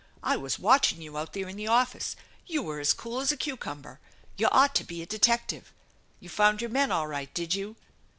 I was watching you out there in the office. You were as cool as a cucumber. You ought to be a detective. You found your men all right, did you